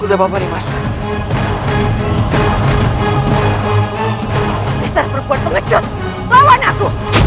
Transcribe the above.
tidak ada orang di terhadap